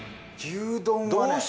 牛丼はね。